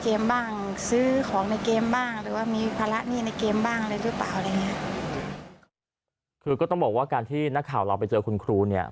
คือก็ต้องบอกว่าการที่นักข่าวเราไปเจอคุณครูเนี่ย